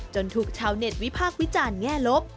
จนถูกชาวเน็ตวิภาควิจารณ์แง่ลบ